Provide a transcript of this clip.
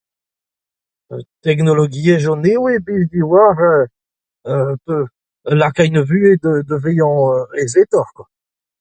Teknologiezhioù nevez pe me oar euu lakaont ar vuhez da da vezañ euu aezetoc'h.